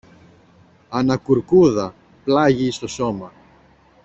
ανακούρκουδα πλάγι στο σώμα.